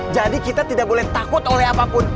jadi kita tidak boleh takut oleh apapun